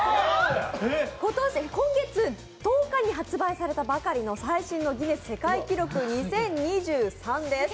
今月１０日に発売されたばかりの最新の「ギネス世界記録２０２３」です。